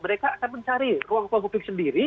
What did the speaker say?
mereka akan mencari ruang ruang publik sendiri